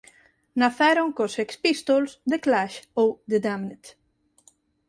Naceron cos Sex Pistols, The Clash ou The Damned.